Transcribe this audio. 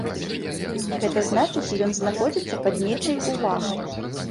Гэта значыць ён знаходзіцца пад нечай увагай.